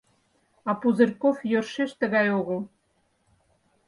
А Пузырьков йӧршеш тыгай огыл.